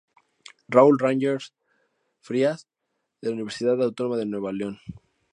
Raúl Rangel Frías" de la Universidad Autónoma de Nuevo León.